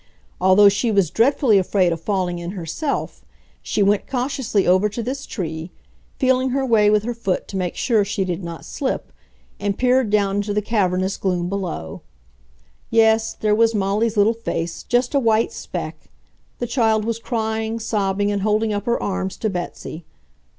Although she was dreadfully afraid of falling in herself, she went cautiously over to this tree, feeling her way with her foot to make sure she did not slip, and peered down into the cavernous gloom below. Yes, there was Molly's little face, just a white speck. The child was crying, sobbing, and holding up her arms to Betsy.